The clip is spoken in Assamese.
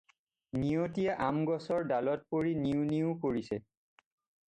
নিয়তীয়ে আমগছৰ ডালত পৰি 'নিওঁ' 'নিওঁ' কৰিছে।